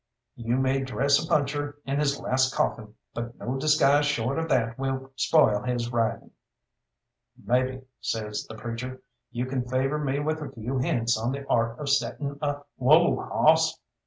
You may dress a puncher in his last coffin, but no disguise short of that will spoil his riding. "Mebbe," says the preacher, "you can favour me with a few hints on the art of settin' a whoa! hawss!